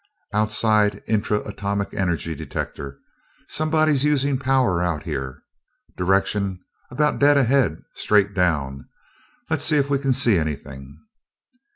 "Outside intra atomic energy detector. Somebody's using power out here. Direction, about dead ahead straight down. Let's see if we can see anything."